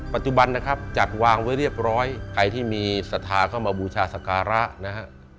ปัจจุบันนะครับจัดวางไว้เรียบร้อยใครที่มีศรัทธาเข้ามาบูชาสการะนะฮะ